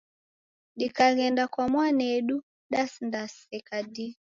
Dikaghenda kwa mwanedu dasindaseka dii.